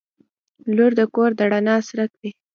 • لور د کور د رڼا څرک وي.